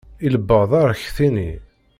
Ilebbeḍ arekti-nni.